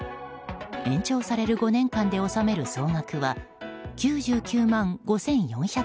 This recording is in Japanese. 延長される５年間で納める総額は９９万５４００円。